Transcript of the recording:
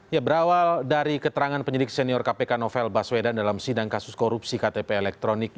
ya berawal dari keterangan penyidik senior kpk novel baswedan dalam sidang kasus korupsi ktp elektronik